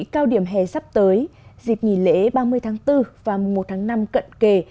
cao điểm hè sắp tới dịp nhì lễ ba mươi tháng bốn và một tháng năm cận kề